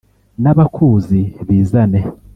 n’abakuzi bizane